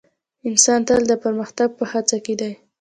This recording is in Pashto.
انسان تل د پرمختګ په هڅه کې دی.